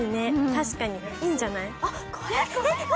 確かにいいんじゃないあっこれ！